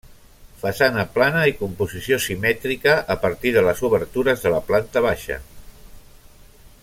Façana plana i composició simètrica a partir de les obertures de la planta baixa.